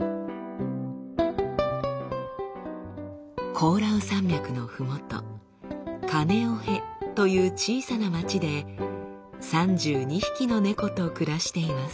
コオラウ山脈のふもとカネオヘという小さな町で３２匹の猫と暮らしています。